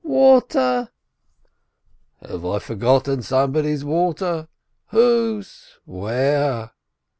— Water !" "Have I forgotten somebody's water? — Whose? — Where?